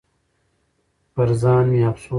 پر ځان مې افسوس راغلو .